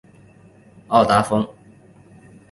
沃达丰